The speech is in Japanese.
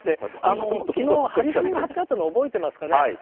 きのう、貼り紙が貼ってあったの覚えてますかね。